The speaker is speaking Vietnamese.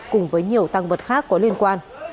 cùng với nhiều tăng vật khác có liên quan